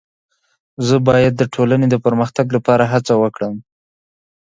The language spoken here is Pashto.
زه باید د ټولني د پرمختګ لپاره هڅه وکړم.